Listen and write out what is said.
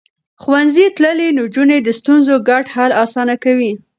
ښوونځی تللې نجونې د ستونزو ګډ حل اسانه کوي.